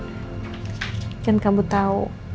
mungkin kamu tau